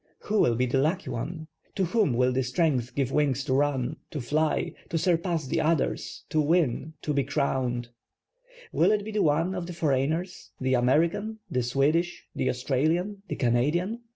\\1i() will be the lucky one? To whom will the strength give wings to run, to fly, to surpass the others, to win, to be crowned? Will it be one of the foreigners, the American, the Swedish, the Australian, the Canadian?